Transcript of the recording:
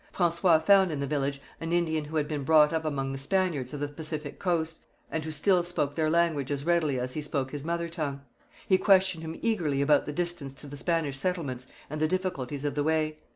François found in the village an Indian who had been brought up among the Spaniards of the Pacific Coast, and who still spoke their language as readily as he spoke his mother tongue. He questioned him eagerly about the distance to the Spanish settlements and the difficulties of the way.